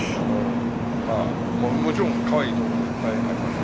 まあ、もちろんかわいいところもいっぱいあります。